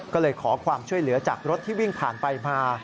ก็เลยขอความช่วยเหลือจากรถที่วิ่งผ่านไปมา